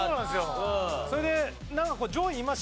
それで。